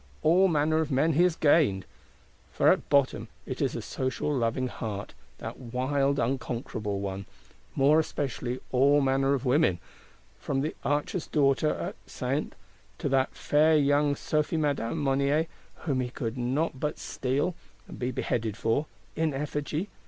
All manner of men he has gained; for at bottom it is a social, loving heart, that wild unconquerable one:—more especially all manner of women. From the Archer's Daughter at Saintes to that fair young Sophie Madame Monnier, whom he could not but "steal," and be beheaded for—in effigy!